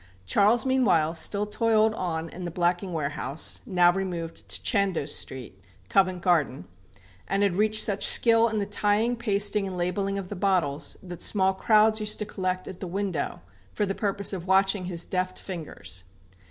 Charles meanwhile still toiled on in the blacking warehouse, now removed to Chandos Street, Covent Garden; and had reached such skill in the tying, pasting, and labelling of the bottles, that small crowds used to collect at the window for the purpose of watching his deft fingers.